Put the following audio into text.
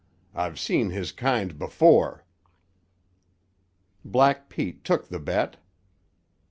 I've seen his kind before." Black Pete took the bet.